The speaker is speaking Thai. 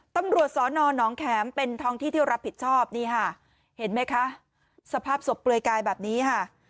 ตำรวจสอนอนน้องแขมเป็นท้องที่ที่รับผิดชอบนี่ค่ะเห็นไหมคะสภาพศพเปลือยกายแบบนี้ค่ะ